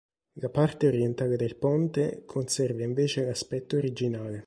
La parte orientale del ponte conserva invece l'aspetto originale.